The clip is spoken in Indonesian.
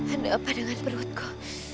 ada apa dengan perutku